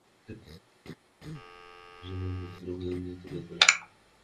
তিনি দক্ষ শিক্ষার্থীদের পাশাপাশি দক্ষ প্রশিক্ষক গড়ে তোলার প্রয়োজনীয়তাও তুলে ধরেন।